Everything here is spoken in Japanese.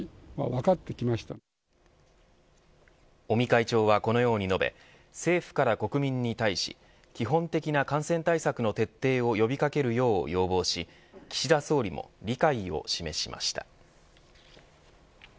尾身会長はこのように述べ政府から国民に対し基本的な感染対策の徹底を呼びかけるよう要望し岸田総理も理解を示しました。